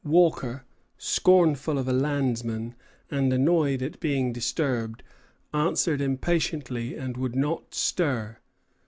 Walker, scornful of a landsman, and annoyed at being disturbed, answered impatiently and would not stir.